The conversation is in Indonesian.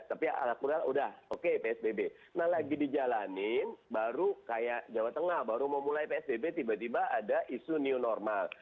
tapi alat kuda udah oke psbb nah lagi dijalanin baru kayak jawa tengah baru mau mulai psbb tiba tiba ada isu new normal